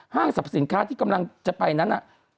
สรรพสินค้าที่กำลังจะไปนั้น